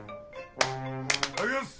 いただきます！